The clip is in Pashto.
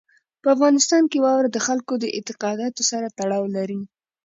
په افغانستان کې واوره د خلکو د اعتقاداتو سره تړاو لري.